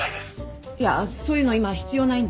いやそういうの今必要ないんで。